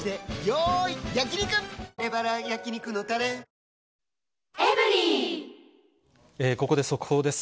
ここで速報です。